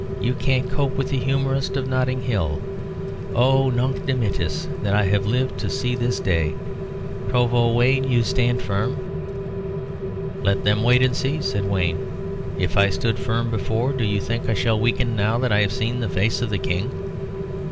You can't cope with the humorist of Notting Hill. Oh, Nunc dimittis that I have lived to see this day! Provost Wayne, you stand firm?" "Let them wait and see," said Wayne. "If I stood firm before, do you think I shall weaken now that I have seen the face of the King?